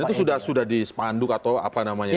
dan itu sudah dispanduk atau apa namanya itu